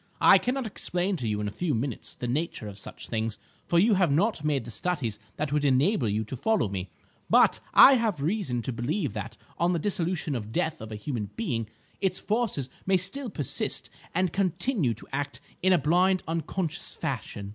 I cannot explain to you in a few minutes the nature of such things, for you have not made the studies that would enable you to follow me; but I have reason to believe that on the dissolution at death of a human being, its forces may still persist and continue to act in a blind, unconscious fashion.